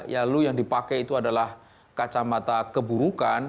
ya lu yang dipakai itu adalah kacamata keburukan